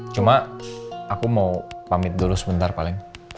cuma aku mau pamit dulu sebentar paling